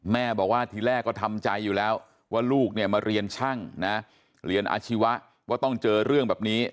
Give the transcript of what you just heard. แม่บอกว่าทีแรกก็ทำใจอยู่แล้วว่าลูกเนี่ยมาเรียนช่างนะเรียนอาชีวะว่าต้องเจอเรื่องแบบนี้